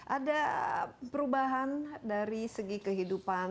ada perubahan dari segi kehidupan